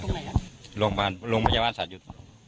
ตรงไหนครับโรงพยาบาลโรงพยาบาลสัตว์อยู่